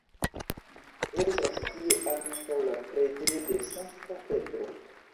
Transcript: Estas tie ankaŭ la Preĝejo de Sankta Petro.